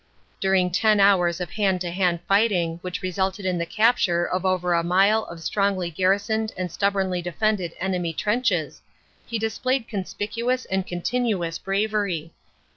During ten hours of hand to hand fighting, which resulted in the capture of over a mile of strongly garrisoned and stub bornly defended enemy trenches, he displayed conspicuous and continuous bravery.